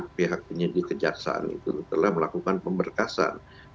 tentu kan pihak penyidik kejaksaan itu telah melakukan pemberkasaan